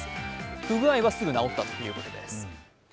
不具合はすぐ直ったということです。